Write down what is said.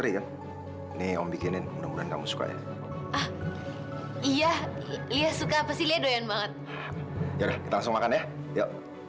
ini om bikinin mudah mudahan kamu suka ya iya iya suka pasti doyan banget langsung makan ya